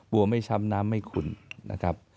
วัวไม่ช้ำน้ำไม่ขุ่นนะครับ